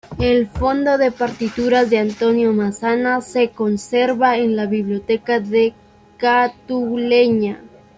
El fondo de partituras de Antonio Massana se conserva en la Biblioteca de Cataluña.